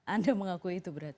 anda mengakui itu berarti